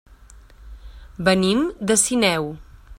Venim de Sineu.